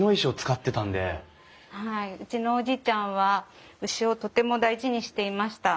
うちのおじいちゃんは牛をとても大事にしていました。